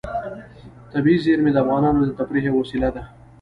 طبیعي زیرمې د افغانانو د تفریح یوه وسیله ده.